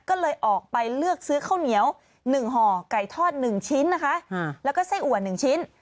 ก็เลยออกไปเลือกซื้อข้าวเหนียว๑ห่อไก่ทอด๑ชิ้นนะคะแล้วก็ไส้อัว๑ชิ้น